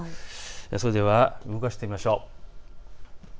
それでは動かしてみましょう。